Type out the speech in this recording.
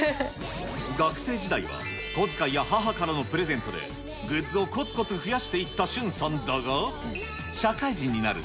学生時代は小遣いや母からのプレゼントでグッズをこつこつ増やしていったしゅんさんだが、社会人になると。